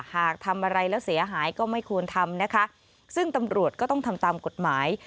หากทำอะไรแล้วเสียหายก็ไม่ควรทำนะคะซึ่งตำรวจก็ต้องทำตามกฎหมาย